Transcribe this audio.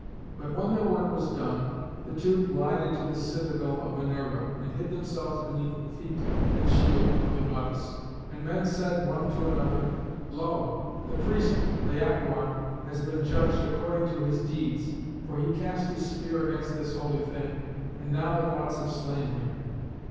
But when their work was done, the two glided to the citadel of Minerva, and hid themselves beneath the feet and the shield of the goddess. And men said one to another, "Lo! the priest Laocoön has been judged according to his deeds; for he cast his spear against this holy thing, and now the Gods have slain him."